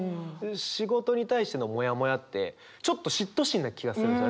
仕事に対してのもやもやってちょっと嫉妬心な気がするんですよね。